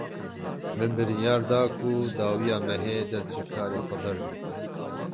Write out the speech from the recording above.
Min biryar da ku dawiya mehê dest ji karê xwe berdim.